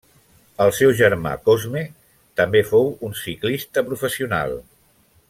El seu germà Cosme també fou un ciclista professional.